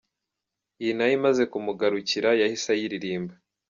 Iyi nayo imaze kumugarukira yahise ayiririmbira.